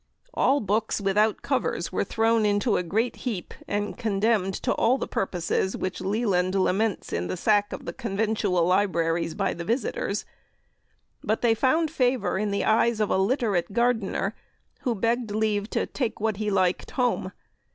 All books without covers were thrown into a great heap, and condemned to all the purposes which Leland laments in the sack of the conventual libraries by the visitors. But they found favour in the eyes of a literate gardener, who begged leave to take what he liked home.